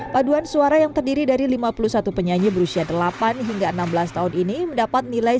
baduan suara yang terdiri dari lima puluh satu penyanyi berusia delapan hingga enam belas tahun ini mendapat nilai sembilan puluh lima lima